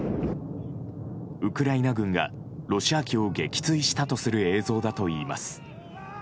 ウクライナ軍がロシア機を撃墜したとする映像だといいます。